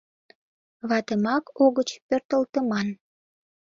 — Ватымак угыч пӧртылтыман.